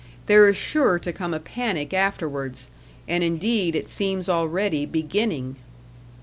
There is sure to come a panic afterwards, and indeed it seems already beginning."